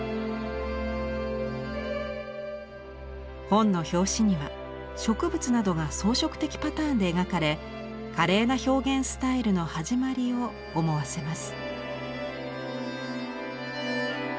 本の表紙には植物などが装飾的パターンで描かれ華麗な表現スタイルの始まりを思わせます。